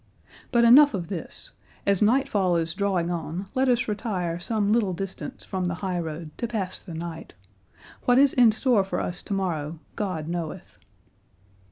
But enough of this; as nightfall is drawing on let us retire some little distance from the high road to pass the night; what is in store for us to morrow God knoweth."